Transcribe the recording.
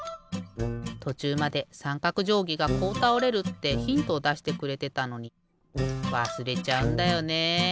とちゅうまでさんかくじょうぎがこうたおれるってヒントをだしてくれてたのにわすれちゃうんだよね。